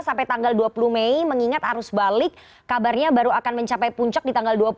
sampai tanggal dua puluh mei mengingat arus balik kabarnya baru akan mencapai puncak di tanggal dua puluh